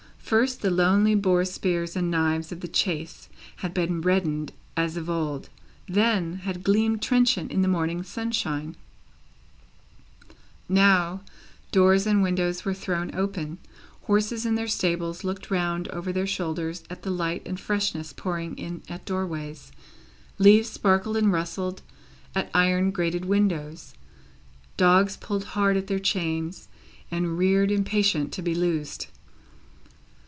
First, the lonely boar spears and knives of the chase had been reddened as of old; then, had gleamed trenchant in the morning sunshine; now, doors and windows were thrown open, horses in their stables looked round over their shoulders at the light and freshness pouring in at doorways, leaves sparkled and rustled at iron grated windows, dogs pulled hard at their chains, and reared impatient to be loosed.